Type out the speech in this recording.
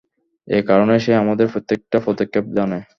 এ কারণেই সে আমাদের প্রত্যেকটা পদক্ষেপ জানে।